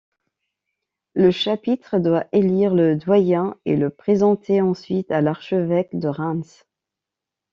Le chapitre doit élire le doyen et le présenter ensuite à l'archevêque de Reims.